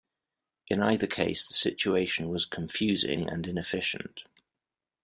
In either case the situation was confusing and inefficient.